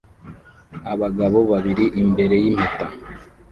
Abagabo babiri imbere yimpeta